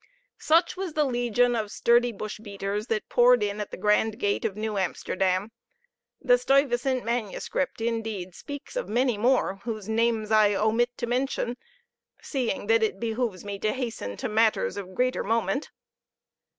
Such was the legion of sturdy bush beaters that poured in at the grand gate of New Amsterdam; the Stuyvesant manuscript, indeed, speaks of many more, whose names I omit to mention, seeing that it behooves me to hasten to matters of greater moment.